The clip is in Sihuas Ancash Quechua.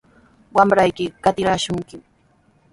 Wamraykiqa qatiraashunkimi.